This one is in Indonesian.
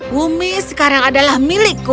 bumi sekarang adalah milikku